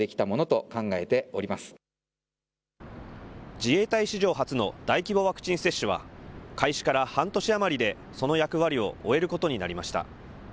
自衛隊史上初の大規模ワクチン接種は、開始から半年余りでその役割を終えることになりました。